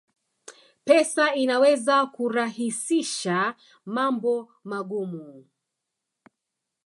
Pesa inaweza kurahisisha mambo magumu